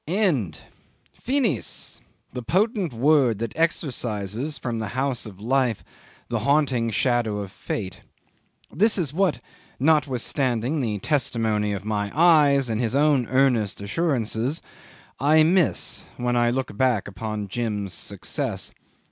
End! Finis! the potent word that exorcises from the house of life the haunting shadow of fate. This is what notwithstanding the testimony of my eyes and his own earnest assurances I miss when I look back upon Jim's success.